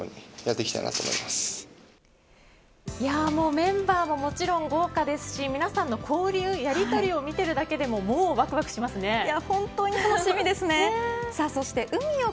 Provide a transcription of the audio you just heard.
メンバーももちろん豪華ですし皆さんの交流、やりとりを見ているだけで本当に楽しみですね。